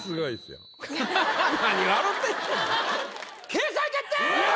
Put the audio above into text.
掲載決定！